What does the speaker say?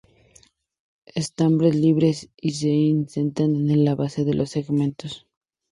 Estambres libres y se insertan en la base de los segmentos.